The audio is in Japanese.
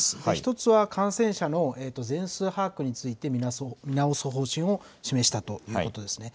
１つは感染者の全数把握について見直す方針を示したということですね。